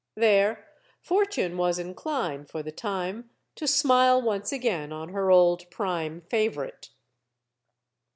There Fortune was inclined for the time to smile once again on her old prime favorite.